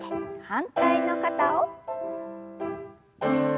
反対の肩を。